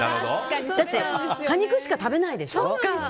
果肉しか食べないでしょ？